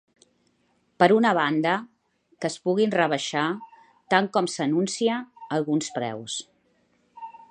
Per una banda, que es puguin rebaixar, tant com s’anuncia, alguns preus.